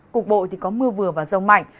cục bộ thì có mưa vừa và rông mạnh